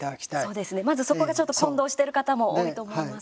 そうですね、まずそこがちょっと混同してる方も多いと思います。